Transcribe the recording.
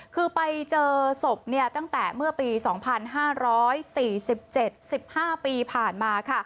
คือไปเจอศพตั้งแต่เมื่อปี๒๕๔๗๑๕ปีผ่านมา